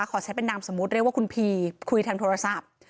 ขอใช้เป็นนามสมมุติเรียกว่าคุณพีคุยทางโทรศัพท์